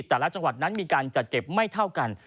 แต่ละจังหวัดนั้นมีการจัดเก็บไม่เท่ากัน